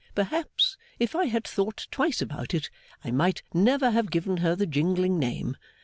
Perhaps, if I had thought twice about it, I might never have given her the jingling name.